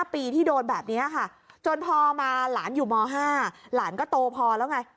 ปีที่โดนแบบนี้ค่ะจนพอมาหลานอยู่ม๕หลานก็โตพอแล้วไง